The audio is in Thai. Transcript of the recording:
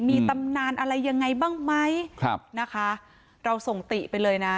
มีตำนานอะไรยังไงบ้างไหมครับนะคะเราส่งติไปเลยนะ